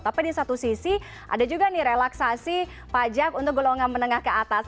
tapi di satu sisi ada juga nih relaksasi pajak untuk golongan menengah ke atas